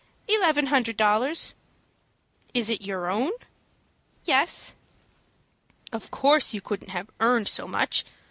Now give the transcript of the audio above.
"Eleven hundred dollars." "Is it your own?" "Yes." "Of course you couldn't have earned so much.